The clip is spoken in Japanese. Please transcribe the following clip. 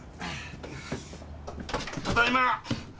ただいま！